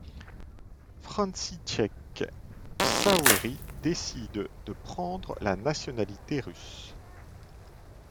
Franciszek Ksawery décide de prendre la nationalité russe.